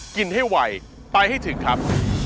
กินให้ไวไปให้ถึงครับ